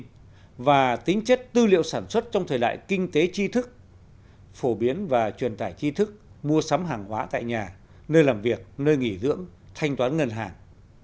thông tin đã được sản xuất trong thời đại kinh tế chi thức phổ biến và truyền tải chi thức mua sắm hàng hóa tại nhà nơi làm việc nơi nghỉ dưỡng thanh toán ngân hàng